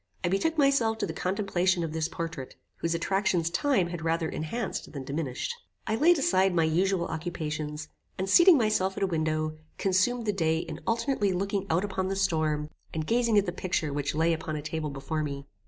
I betook myself to the contemplation of this portrait, whose attractions time had rather enhanced than diminished. I laid aside my usual occupations, and seating myself at a window, consumed the day in alternately looking out upon the storm, and gazing at the picture which lay upon a table before me.